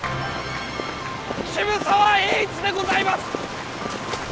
渋沢栄一でございます！